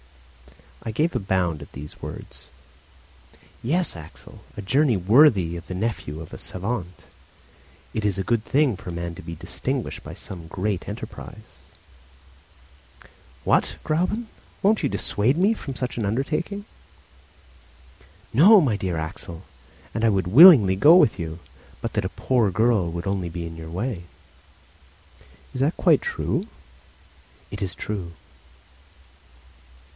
I gave a bound at these words. "Yes, Axel, a journey worthy of the nephew of a savant; it is a good thing for a man to be distinguished by some great enterprise." "What, Gräuben, won't you dissuade me from such an undertaking?" "No, my dear Axel, and I would willingly go with you, but that a poor girl would only be in your way." "Is that quite true?" "It is true."